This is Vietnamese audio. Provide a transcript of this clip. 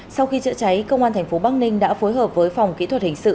sau khi chữa cháy công an thành phố bắc ninh đã phối hợp với phòng kỹ thuật hình sự